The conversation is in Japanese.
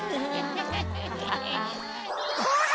こら！